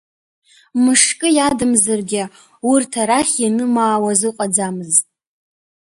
Мышкы иадамзаргьы урҭ арахь ианымаауаз ыҟаӡамызт.